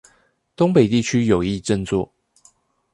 東北地區有意振作